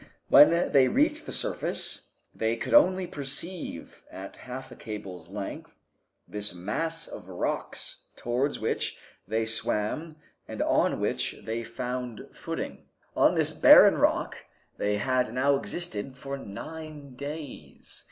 When they reached the surface they could only perceive, at half a cable's length, this mass of rocks, towards which they swam and on which they found footing. On this barren rock they had now existed for nine days.